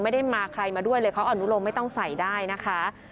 ไม่ได้มาใครมาด้วยเลยเขาอนุโลมไม่ต้องใส่ได้นะคะ